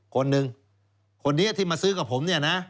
คนนี้ที่มาซื้อกับผม